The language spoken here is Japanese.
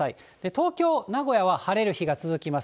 東京、名古屋は晴れる日が続きます。